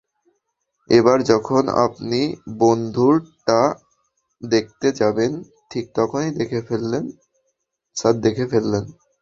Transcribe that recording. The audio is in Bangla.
এবার যখন আপনি বন্ধুরটা দেখতে যাবেন, ঠিক তখনই স্যার দেখে ফেললেন।